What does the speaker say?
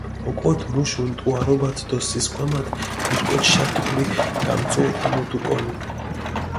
ოკოდჷ მუშ უნტუარობათ დო სისქვამათ ირკოჩშა თოლი გამწუჸოთამუდუკონ.